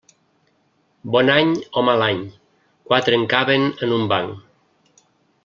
Bon any o mal any, quatre en caben en un banc.